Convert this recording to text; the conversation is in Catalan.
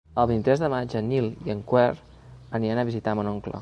El vint-i-tres de maig en Nil i en Quer aniran a visitar mon oncle.